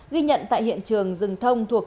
ghi nhận tại hiện trường rừng thông thuộc